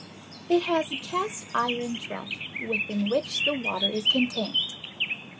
It has a cast iron trough within which the water is contained.